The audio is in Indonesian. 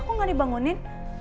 kok gak dibangunin